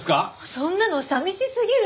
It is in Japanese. そんなの寂しすぎる！